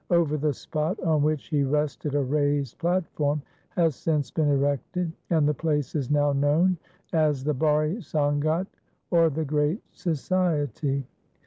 Over the spot on which he rested a raised platform has since been erected, and the place is now known at the Bari Sangat or the Great Society.